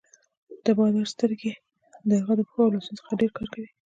د بادار سترګې د هغه د پښو او لاسونو څخه ډېر کار کوي.